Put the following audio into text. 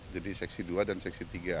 jadi seksi dua dan seksi tiga